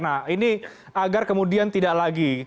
nah ini agar kemudian tidak lagi